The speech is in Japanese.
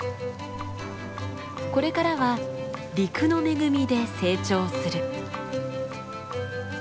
これからは陸の恵みで成長する。